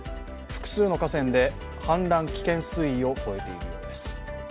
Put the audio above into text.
複数の河川で氾濫危険水位を超えているようです。